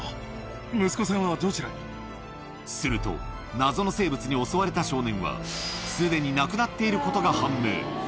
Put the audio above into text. あのー、すると、謎の生物に襲われた少年は、すでに亡くなっていることが判明。